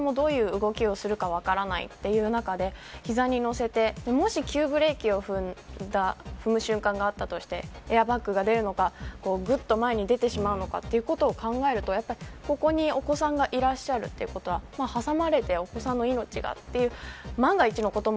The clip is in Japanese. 特に、お子さんもどういう動きをするか分からないという中で膝にのせてもし急ブレーキを踏む瞬間があったとしてエアバッグが出るのかぐっと前に出てしまうのかということを考えるとやっぱり、ここにお子さんがいらっしゃるということは挟まれてお子さんの命が。